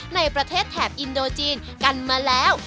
ในประเทศแถบอินโดจีนกันมาแล้ว